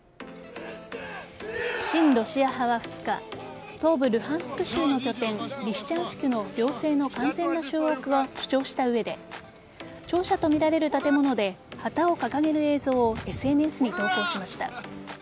親ロシア派は２日東部ルハンスク州の拠点リシチャンシクの行政の完全な掌握を主張した上で庁舎とみられる建物で旗を掲げる映像をＳＮＳに投稿しました。